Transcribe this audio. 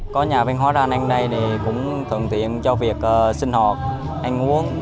có nhà văn hóa ra đây cũng thường tiện cho việc sinh hoạt anh uống